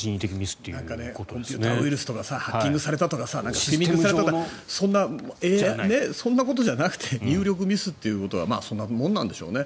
コンピューターウイルスとかハッキングされたとかそんなことじゃなくて入力ミスということはそんなもんなんでしょうね。